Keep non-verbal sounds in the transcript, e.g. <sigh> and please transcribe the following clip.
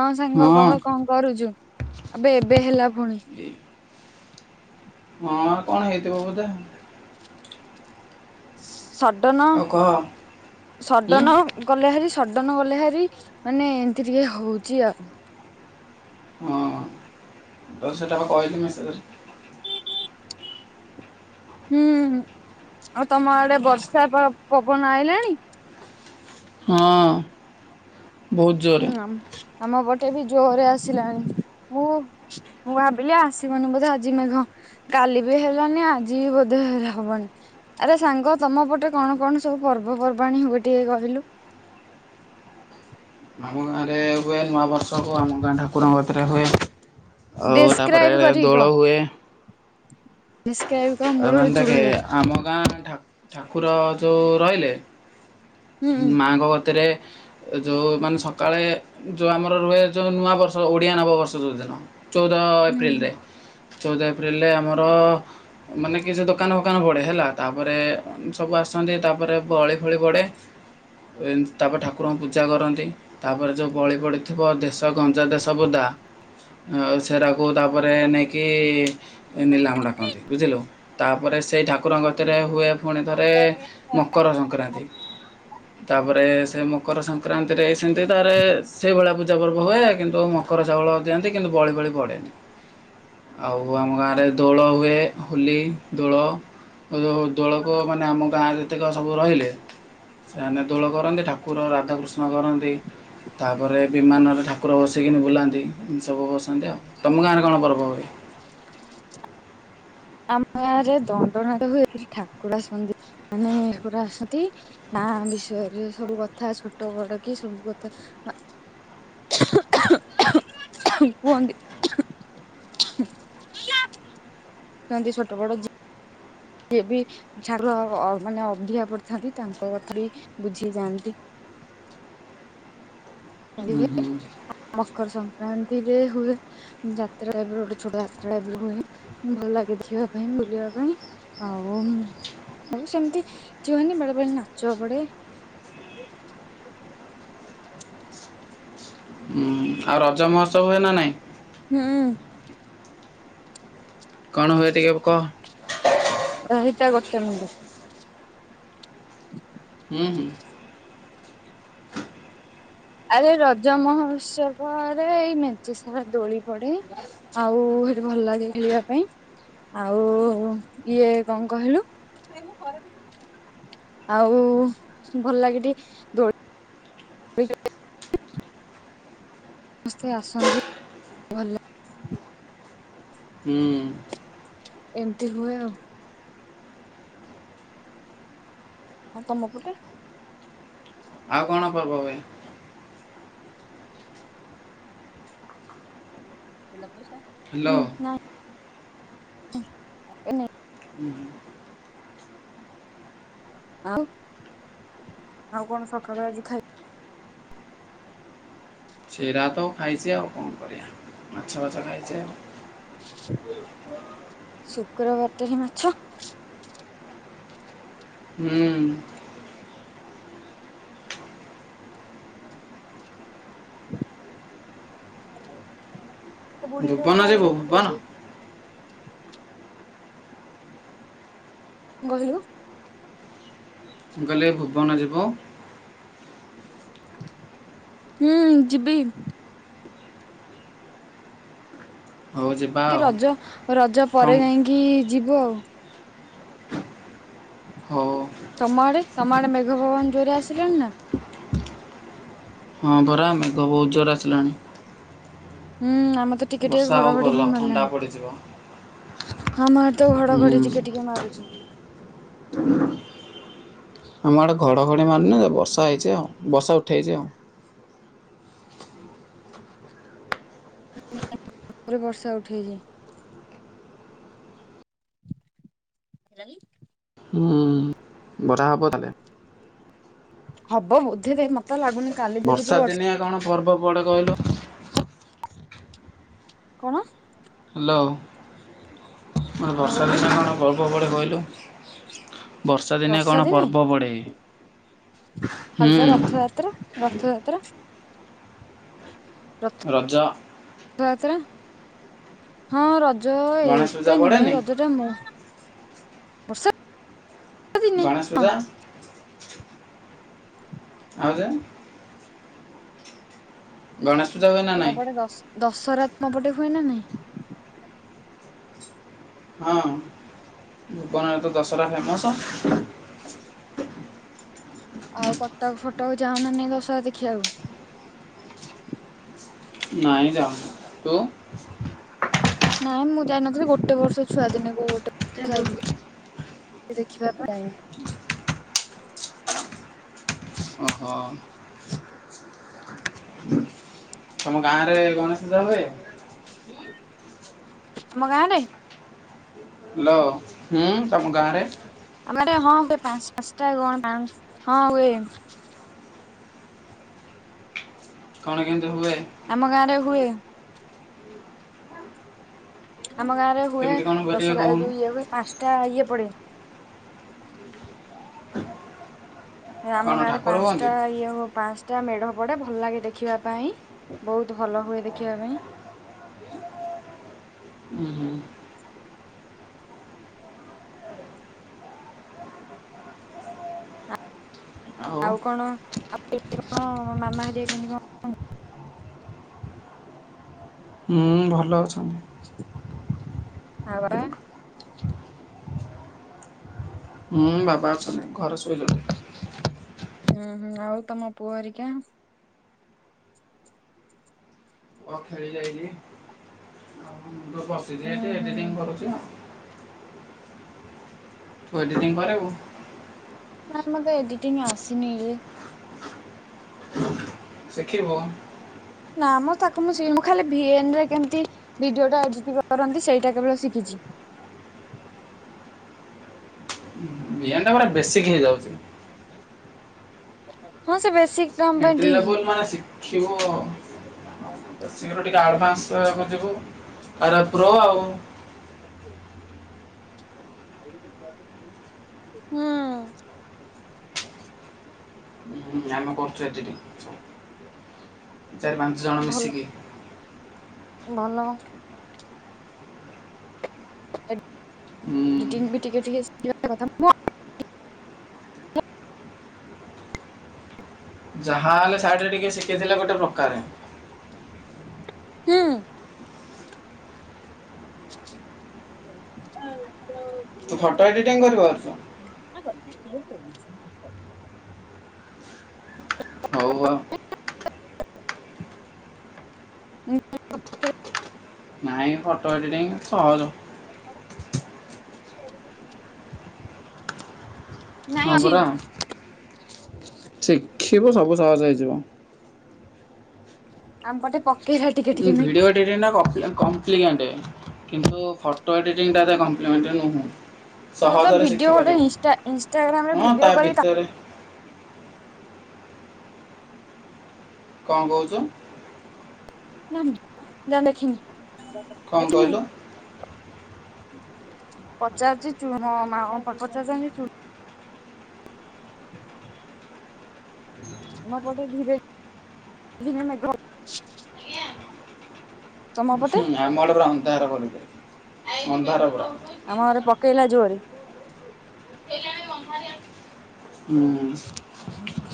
ହଁ ସାଙ୍ଗ କହ କଣ କରୁଚୁ? ଆବେ ଏବେ ହେଲା ଫୁଣି। ଏ- ହଁ କଣ ହେଇଥିବ ବୋଧେ। ସଡ଼ନ ଆଉ କହ ହୁଁ ସଡ଼ନ ଗଲେ ହାରି ସଡନ ଗଲେ ହାରି ମାନେ ଏମିତି ଟିକେ ହଉଚି ଆଉ। ହଁ ଦଶଟା ହବ କହିଲି ମେସେଜରେ। ହୁଁ ଆଉ ତମ ଆଡେ ବର୍ଷା ପ ପବନ ଆଇଲାଣି? ହଁ। ବହୁତ ଜୋରରେ ହୁଁ ଆମ ପଟେ ବି ଜୋରରେ ଆସିଲାଣି ମୁଁ ମୁଁ ଭାବିଲି ଆସିବନି ବୋଧେ ଆଜି ମେଘ। କାଲି ବି ହେଲାନି ଆଜି ବି ବୋଧେ ହେ ହବନି। ଆରେ ସାଙ୍ଗ ତମ ପଟେ କଣ କଣ ସବୁ ପର୍ବପର୍ବାଣି ହୁଏ ଟିକେ କହିଲୁ? ଆମ ଗାଁରେ ଏ ହୁଏ ନୂଆବର୍ଷକୁ ଆମ ଗାଁ ଠାକୁରଙ୍କ କତିରେ ହୁଏ। ଆଉ ତାପରେ ଡେସକ୍ରାଇବ କରିକି କହ ଦୋଳ ହୁଏ। ଡେସକ୍ରାଇବ କହ ମୂଳରୁ ଏମାନେ ଦେଖେ ଚୂଳ ଯାଏ ଆମ ଗାଁ ଠା ଠାକୁର ଯୋଉ ରହିଲେ ହୁଁ ମାଙ୍କ କତିରେ ଯୋଉମାନେ ସକାଳେ ଯୋଉ ଆମର ରୁହେ ଯୋଉ ନୂଆବର୍ଷ ଓଡ଼ିଆ ନବବର୍ଷ ଯୋଉ ଦିନ ଚଉଦ ହୁଁ ଏପ୍ରିଲରେ। ଚଉଦ ଏପ୍ରିଲରେ ଆମର ମାନେ କିଛି ଦୋକାନ ଦୋକାନ ପଡେ ହେଲା ତାପରେ ସବୁ ଆସନ୍ତି ତାପରେ ବଳି ଫଳି ପଡ଼େ। ତାପରେ ଠାକୁରଙ୍କୁ ପୂଜା କରନ୍ତି ତାପରେ ଯୋଉ ବଳି ପଡ଼ିଥିବ ଦେଶ ଘଞ୍ଚ ଦେଶ ବୁଦା ସେରାକୁ ତାପରେ ନେଇକି ଏ ନିଲାମ ଡାକନ୍ତି ବୁଝିଲୁ ତାପରେ ସେଇ ଠାକୁରଙ୍କ କତିରେ ହୁଏ ପୁଣି ଥରେ ମକର ସଂକ୍ରାନ୍ତି ତାପରେ ସେ ମ କର ସଂକ୍ରାନ୍ତିରେ ସେମିତି ତାରେ ସେଇଭଳିଆ ପୂ ଜା ପର୍ବ ହୁଏ କିନ୍ତୁ ମକର ଚାଉଳ ଦିଅନ୍ତି କିନ୍ତୁ ବଳି ବଳି ପଡ଼େନି। ଆଉ ଆମ ଗାଁରେ ଦୋଳ ହୁଏ। ହୋଲି ଦୋଳ ଯୋଉ ଦୋଳକମାନେ ଆମ ଗାଁରେ ଯେତକ ରହିଲେ ସେମାନେ ଦୋଳ କରନ୍ତି ଠାକୁର ରାଧାକୃଷ୍ଣ କରନ୍ତି ତାପରେ ବିମାନରେ ଠାକୁର ବସିକିନି ବୁଲାନ୍ତି ଏନ୍ତି ସବୁ ବସନ୍ତି ଆଉ। ତମ ଗାଁରେ କଣ ପର୍ବ ହୁଏ? ଆମ ଗାଁରେ ଦଣ୍ଡନାଟ ହୁଏ ଏଠି ଠାକୁର ଆସନ୍ତି ମାନେ ଏ <unintelligible> ଆସନ୍ତି। ନା ବିଷୟରେ ସବୁ କଥା ଛୋଟ ବଡ କି ସବୁ କଥା କୁହନ୍ତି। <unintelligible> ଛୋଟ ବଡ ଯେ ଯିଏ ବି ଛାଡ ମାନେ ଅଧିଆ ପଡିଥାନ୍ତି ତାଙ୍କ କଥା ବି ବୁଝି ଯାଆନ୍ତି। ହୁଁ ହୁଁ <unintelligible> ମକର ସଂକ୍ରାନ୍ତିରେ ହୁଏ। ଯାତ୍ରାବେ ଗୋଟେ ଛୋଟ ଯାତ୍ରା ଏବେ ହୁଏ ଭଲ ଲାଗେ ଦେଖିବା ପାଇଁ ବୁଲିବା ପାଇଁ। ହଉ ଆଉ ସେମିତି <unintelligible> ବେଳେ ବେଳେ ନାଚ ପଡେ। ଉଁ ଆଉ ରଜ ମହୋତ୍ସବ ହୁଏ ନା ନାଇଁ? ହୁଁ। କଣ ହୁଏ ଟିକେ କହ। ଅ ହିତ <unintelligible> <inaudible> ଉ ହୁଁ। ଆରେ ରଜ ମହୋତ୍ସବରେ ଏଇ ମେଚେ ସାର ଦୋଳି ପଡେ ଆଉ ସେଠି ଭଲ ଲାଗେ ଖେଳିବା ପାଇଁ। ଆଉ ଇଏ କଣ କହିଲୁ? ଆଉ ଭଲ ଲାଗେ ଟିକେ ଦୋଳ <unintelligible> ସମସ୍ତେ ଆସନ୍ତି। ଭଲ ହୁଁ ଏମିତି ହୁଏ ଆଉ। ହଁ ତମ ପଟେ? ଆଉ କଣ ପର୍ବ ଭ ହ୍ୟାଲୋ ହୁଁ ନାଇଁ। ହଁ ହବନି। ହୁଁ ହୁଁ। ଆଉ ଆଉ କଣ ସକାଳୁ ଆଜି ଖାଇ ସେରାତ ଖାଇଛି ଆଉ କଣ କରିଆ ମାଛ ଫାଛ ଖାଇଛେ ଆଉ। ଶୁକ୍ରବାରଟାରେ ମାଛ? ହୁଁ। <inaudible> ଭୁବନ ଯିବୁ ଭୁବନ <unintelligible> ବହିଲୁ। ମୁ ଗଲେ ଏ ଭୁବନ ଯିବ। ହୁଁ ଯିବି। ହଉ ଯିବା ଆଉ ରଜ ରଜ କଣ ପରେ ଯାଇକି ଯିବୁ ଆଉ। ହଉ। ତମ ଆଡ଼େ ତମ ଆଡ଼େ ମେଘ ପବନ ଜୋରେ ଆସିଲାଣି ନା? ହଁ ପରା ମେଘ ବହୁତ ଜୋରେ ଆସିଲାଣି। ହୁଁ ଆମର ତ ଟିକେ ଟିକେ ବର୍ଷା ହଉ ଘଡ଼ଘଡ଼ି ଭଲ ବି ଥଣ୍ଡା ମାରିଲାଣି। ପଡ଼ିଯିବ। ହଁ ମା ତ ଘଡ଼ଘଡ଼ି ହୁଁ ଟିକେ ଟିକେ ମାରୁଛି। ଆମ ଆଡ଼େ ଘଡ଼ଘଡ଼ି ମାରିନି ଯେ ବର୍ଷା ହେଇଛି ଆଉ ବର୍ଷା ଉଠେଇଛି ଆଉ। <unintelligible> ରେ ବର୍ଷା ଉଠେଇଛି। <unintelligible> ହୁଁ ବରା ହବ ତାହେଲେ ହବ ବୋଧେ କାଇଁ ମତେ ତ ଲାଗୁନି କାଲି ବର୍ଷା ଦେଖୁଛୁ ବର୍ଷ ଦିନିଆ କଣ ପର୍ବ ପଡ଼େ କହିଲୁ? କଣ? ହ୍ୟାଲୋ <unintelligible> କଣ ବର୍ଷା କହିଲୁ ଋତୁରେ କଣ ପର୍ବ ପଡ଼େ କହିଲୁ? ବର୍ଷା ଦିନେ କଣ ପର୍ବ ପଡ଼େ? କାଲି ହୁଁ ତ ରଥଯାତ୍ରା ରଥଯାତ୍ରା ର ରଜ। ଥଯାତ୍ରା ହଁ ରଜ ଗଣେଶ ପୂଜା ଏତେ ନୁହେଁ ପଡ଼େନି ରଜ ଟା ମୋ ବର୍ଷା ଦିନେ ଗଣେଶ ହଁ ପୂଜା। ଆଉ ଜା ଗଣେଶ ପୂଜା ହୁଏନି <unintelligible> ପଟେ ଦଶ ଦଶହରା ତମ ପଟେ ହୁଏ ନା ନାଇଁ? ହଁ ଭୁବନରେ ତ ଦଶହରା ଫେମସ। ଆଉ କଟକ ଫଟକ ଯାଅ ନା ନାଇଁ ଦଶହରା ଦେଖିବାକୁ? ନାଇଁ ଯାଉନି ତୁ? ନାଇଁ ମୁଁ ଯାଇନଥିଲି ଗୋଟେ ବର୍ଷ ଛୁଆ ଦିନେ କୋଉ ଗୋଟେ ବର୍ଷ ଯାଇଥିଲି ଦେଖିବା ପାଇଁ। ଓ ହୋ। ତମ ଗାଁ ରେ ଗଣେଶ ପୂଜା ହୁଏ? ଆମ ଗାଁରେ। ହାଲୋ। ହୁଁ ତମ ଗାଁରେ ଆମ ଗାଁରେ ହଁ ହୁଏ ପା ପାଞ୍ଚଟା କଣ ପା ହଁ ହୁଏ। କଣ କେତି ହୁଏ? ଆମ ଗାଁରେ ହୁଏ। ଆମ ଗାଁରେ ହୁଏ କେମିତି କଣ ଟିକେ ଦଶରା ଏଇ କହୁନୁ ଯୋଉ ଇଏ ହୁଏ ପାଞ୍ଚଟା ଇଏ ପଡେ। ଆମ କଣ ଗାଁରେ ଠାକୁର ହୁଅନ୍ତି ପାଞ୍ଚଟା ଇଏ ହଉ ପା ପାଞ୍ଚ ଟା ମେଢ ପଡେ ଭଲ ଲାଗେ ଦେଖିବା ପାଇଁ ବହୁତ ଭଲ ହୁଏ ଦେଖିବା ପାଇଁ। ହୁଁ ହୁଁ। ଆଉ କଣ ଆଉ କେମିତି କଣ ମାମା ହରିଆ କେମିତି କଣ ହୁଁ ଭଲ ଅଛନ୍ତି। <unintelligible> ହୁଁ ବାବା ଅଛନ୍ତି ଘରେ ଶୋଇଲେଣି। ହୁଁ ହୁଁ ଆଉ ତମ ପୁଅ ହରିକା। ହେଇ ଯାଇଚି। ବସିଚି ହୁଁ ଏଠି ହୁଁ ଏଡିଟିଙ୍ଗ କରୁଚି। ତୁ ଏଡିିଟିଙ୍ଗ କରିବୁ। ନାଇ ମତେ ଏଡିଟିଙ୍ଗ ଆସିନି ରେ। ଶିଖିବୁ। ନା ମଁ ତାକୁ ମୁଁ ମୁଁ ଖାଲି ଭିଏନ ରେ କେମତି ଭିଡିଓ ଟା ଏଡିଟି କରନ୍ତି ସେଇଟା କେବଳ ଶିଖିଚି। ଭିଏନ ଟା ପୁରା ବେଶିକ ହେଇଯାଉଚି। ହଁ ସେ ବେଶୀ ଏଣ୍ଟବ ଦବୁନୁ ମାନେ ଶିଖିବ ଅ ଶୀଘ୍ର ଟିକେ ଆଡଭାନ୍ସ ତାକୁ ଯିବୁ ତା ପରେ ପ୍ରୋ ଆଉ। ହୁଁ। ନା ଜାମ କରୁଛୁ ଏଡିଟିଙ୍ଗ ଚାରି ପାଞ୍ଚ ଜଣ ଭଲ ମିଶିକି ଭଲ। ଉଁ, ଏଡିଟିଙ୍ଗ ବି ଟିକେ ଟିକେ ଶିଖିବା କଥା ମ ଯାହା ହେଲେ ସାଇଡରେ ଟିକେ ଶିଖିଥିଲେ ଗୋଟେ ପ୍ରକାରେ। ହୁଁ। ହଁ ଯୋଉ ତୁ ଫଟୋ ଏଡିଟିଂ କରି ପାରୁଚୁ? <unintelligible> ହଉ ଆଉ। ଉଁ ଉଁ ମୋ ପାଖରେ ନାହିଁ ଫଟୋ ଏଡ଼ିଟିଂ ସହଜ। ହଉ କରିବି। ନାଇଁ ହଁ ଅଛି ପରା ଶିଖିବୁ ସବୁ ସହଜ ହେଇଯିବ। ଆମ ପଟେ ପଖ୍ ହୁଁ ଭିଡିଓ ଏଡିଟିଂ ନା କରୁଥିଲ ନା କଣ? କମ୍ପ୍ଲିମେଣ୍ଟ କିନ୍ତୁ ଫଟୋ ଏଡ଼ିଟିଂ ଟାରେ ଏତେ କମ୍ପ୍ଲିମେଣ୍ଟ ନୁହଁ। ମୁଁ ତ ସହଜରେ ଭିଡିଓ ଗୋଟେ ଶିଖିପାରିବୁ ଇନଷ୍ଟା ଇନଷ୍ଟାଗ୍ରାମ ରେ ହଁ ତା ଭିଡିଓ କରି ଭିତରେ କଅଁ କହୁଚୁ? ନା ମ ନା ଯା ଦେଖିବୁ କ'ଣ ଦେଖିନି। କହିଲୁ ପଚାରୁଚି ଚୁଲ ମା ମା ପଚାରୁ <unintelligible> ହୁଁ। <unintelligible> ଆମ ପଟେ ଧୀରେ ଧୀରେ ମେଘ ତମ ପଟେ ହୁଁ ଆମ ଆଡେ ଅନ୍ଧାର କରିକି ଅନ୍ଧାର ପୁରା। ଆମ ଅରେ ପକେଇଲା ଜୋରେ। ଏରିଆଡ଼େ ଅନ୍ଧାରିଆ। ହୁଁ ହୁଁ। ଅ ହଁ।